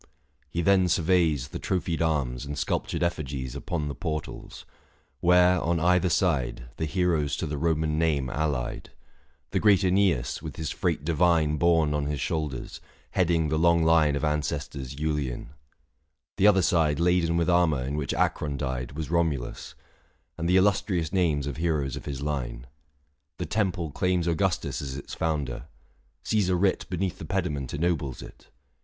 He then surveys The trophied arms, and sculptured effigies, Upon the portals ; where, on either side, 635 The heroes to the Koman name allied — The great iEneas, with his freight divine Borne on his shoulders, heading the long line Of ancestors Iiilean : the other side Laden with armour in which Acron died, 640 Was Romulus ; and the illustrious names Of heroes of his line. The temple claims Augustus as its founder ; Caesar writ Beneath the pediment ennobles it.